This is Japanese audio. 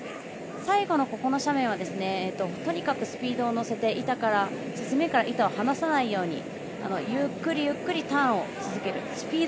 最後の斜面はとにかくスピードを乗せて板から離さないようにゆっくりゆっくりターンを続ける。